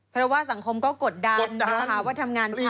เพราะว่าสังคมก็กดดันนะคะว่าทำงานช้า